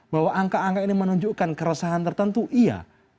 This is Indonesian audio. bahwa angka angka ini menunjukkan keresahan tertentu iya